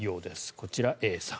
こちら、Ａさん。